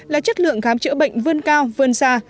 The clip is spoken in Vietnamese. là chất lượng khám chữa bệnh vươn cao vươn xa